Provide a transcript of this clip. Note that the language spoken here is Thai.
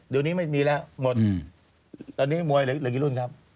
เดี๋ยวนี้ไม่มีแล้วหมดตอนนี้มวยเหลือกี่รุ่นครับ